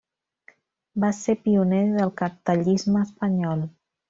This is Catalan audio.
Va ser pioner del cartellisme espanyol.